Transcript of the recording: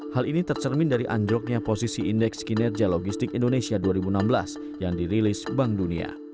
hal ini tercermin dari anjloknya posisi indeks kinerja logistik indonesia dua ribu enam belas yang dirilis bank dunia